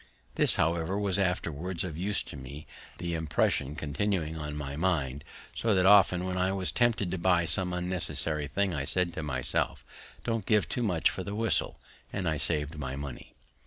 This, however, was afterwards of use to me, the impression continuing on my mind; so that often, when I was tempted to buy some unnecessary thing, I said to myself, Don't give too much for the whistle; and I saved my money.